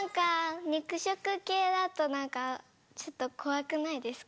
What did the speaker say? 肉食系だと何かちょっと怖くないですか？